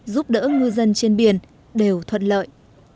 giúp đỡ ngư dân trên biển đều thuận lợi